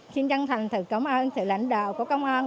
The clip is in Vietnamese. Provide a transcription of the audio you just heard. xin chân thành sự lãnh đạo của công an